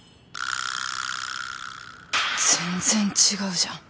全然違うじゃん。